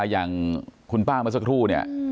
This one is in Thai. อย่างคุณป้ามาสักครู่นี่